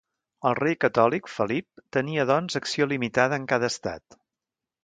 El rei catòlic, Felip, tenia doncs acció limitada en cada Estat.